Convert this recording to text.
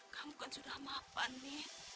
kamu kan sudah mapan nih